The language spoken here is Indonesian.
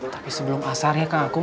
tapi sebelum asal ya kak akung